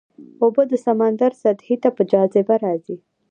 اوبه د سمندر سطحې ته په جاذبه راځي.